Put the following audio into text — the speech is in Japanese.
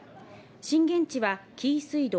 震源地は紀伊水道。